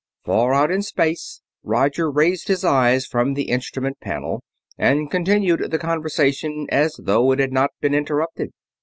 Far out in space, Roger raised his eyes from the instrument panel and continued the conversation as though it had not been interrupted.